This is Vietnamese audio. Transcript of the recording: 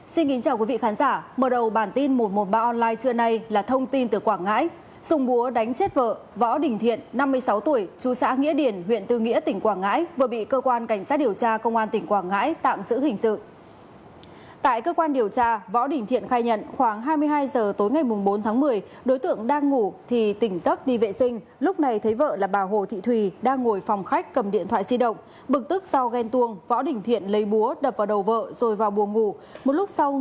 xin chào quý vị khán giả